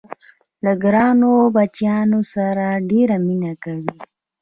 له ګرانو بچیانو سره ډېره مینه کوي.